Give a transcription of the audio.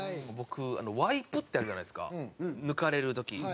僕ワイプってあるじゃないですか抜かれる時。